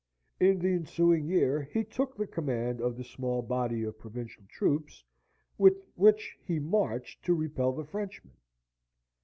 In the ensuing year he took the command of the small body of provincial troops with which he marched to repel the Frenchmen.